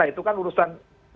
itu kan urusan